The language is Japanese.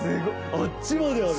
あっちまである！